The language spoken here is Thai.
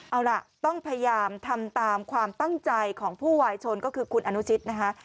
เอาล่ะต้องพยายามทำตามความตั้งใจของผู้วายชนก็คือคุณอนุชิตนะคะ